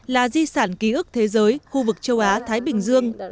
là di sản ký ức thế giới khu vực châu á thái bình dương